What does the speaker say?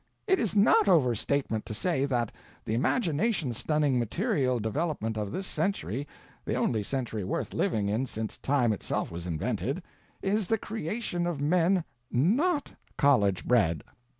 It is not overstatement to say that the imagination stunning material development of this century, the only century worth living in since time itself was invented, is the creation of men not college bred.